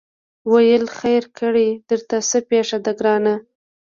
ویل خیر کړې درته څه پېښه ده ګرانه